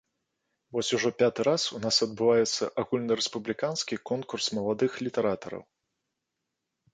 Вось ужо пяты раз у нас адбываецца агульнарэспубліканскі конкурс маладых літаратараў.